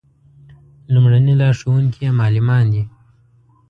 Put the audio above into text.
لومړني لارښوونکي یې معلمان دي.